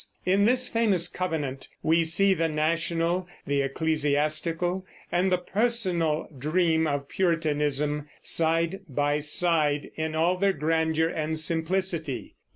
In this famous Covenant we see the national, the ecclesiastical, and the personal dream of Puritanism, side by side, in all their grandeur and simplicity.